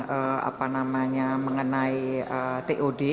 bumn bumn itu banyak sekali program kerja yang ada di dki ini